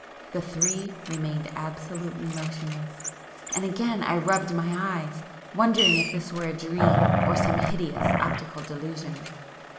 The Three remained absolutely motionless,—and again I rubbed my eyes, wondering if this were a dream or some hideous optical delusion.